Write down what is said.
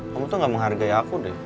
kamu tuh gak menghargai aku deh